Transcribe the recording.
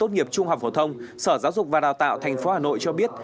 bộ công nghiệp trung học hồ thông sở giáo dục và đào tạo thành phố hà nội cho biết